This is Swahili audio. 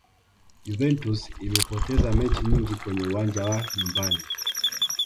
juventus imepoteza mechi nyingi kwenye uwanja wa nyumbani